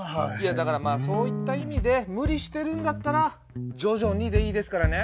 だからそういった意味で無理してるんだったら徐々にでいいですからね？